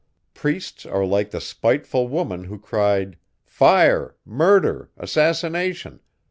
Priests are like the spiteful woman who cried _fire! murder! assassination!